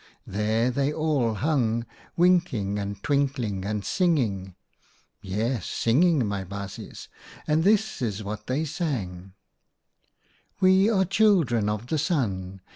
There they all hung, wink ing and twinkling and singing. Yes, singing, my baasjes, and this is what they sang :— 1 We are children of the Sun